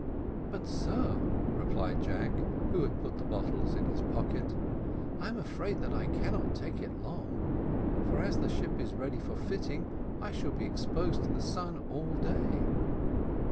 "But, sir," replied Jack, who had put the bottles in his pocket, "I am afraid that I cannot take it for long; for as the ship is ready for fitting, I shall be exposed to the sun all day."